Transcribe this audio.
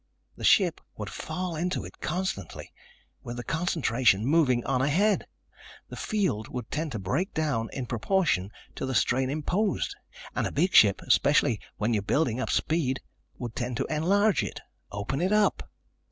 The ship would fall into it constantly, with the concentration moving on ahead. The field would tend to break down in proportion to the strain imposed and a big ship, especially when you are building up speed, would tend to enlarge it, open it up.